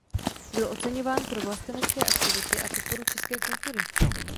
Byl oceňovaný pro vlastenecké aktivity a podporu české kultury.